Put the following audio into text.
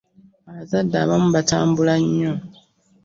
abazadde abamu batambula nnyo.